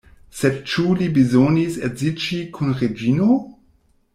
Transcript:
Sed ĉu li bezonis edziĝi kun Reĝino?